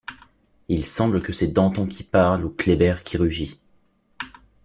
Il semble que c’est Danton qui parle ou Kléber qui rugit.